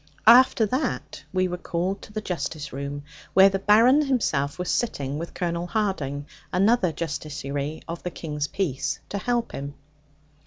After that, we were called to the Justice room, where the Baron himself was sitting with Colonel Harding, another Justiciary of the King's peace, to help him.